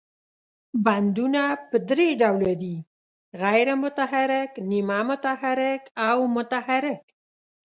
بندونه په درې ډوله دي، غیر متحرک، نیمه متحرک او متحرک.